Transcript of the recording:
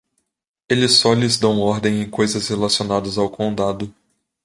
Eles só lhes dão ordens em coisas relacionadas ao condado.